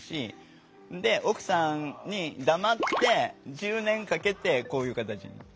奥さんに黙って１０年かけてこういう形に。